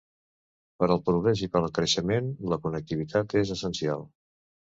Per al progrés i per al creixement la connectivitat és essencial.